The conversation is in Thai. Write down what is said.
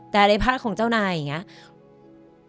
แต่ในพาร์ทของเจ้านายอย่างนี้